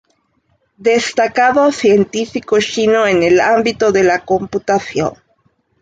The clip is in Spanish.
Destacado científico chino en el ámbito de la computación.